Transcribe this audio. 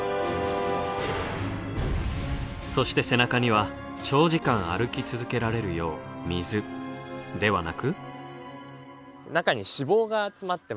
そして背中には長時間歩き続けられるよう水ではなく。